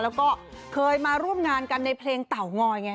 แล้วก็เคยมาร่วมงานกันในเพลงเต่างอยไง